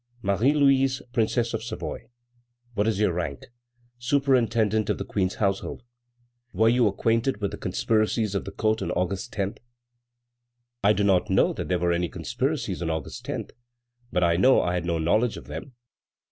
"Marie Louise, Princess of Savoy." "What is your rank?" "Superintendent of the Queen's household." "Were you acquainted with the conspiracies of the court on August 10?" "I do not know that there were any conspiracies on August 10, but I know I had no knowledge of them."